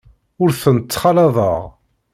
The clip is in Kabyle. Ur tent-ttxalaḍeɣ.